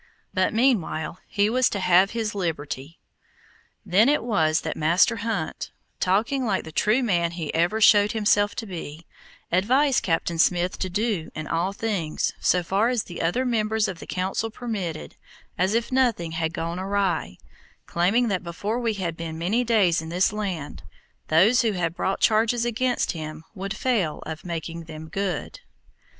But meanwhile he was to have his liberty. Then it was that Master Hunt, talking like the true man he ever showed himself to be, advised Captain Smith to do in all things, so far as the other members of the Council permitted, as if nothing had gone awry, claiming that before we had been many days in this land, those who had brought charges against him would fail of making them good.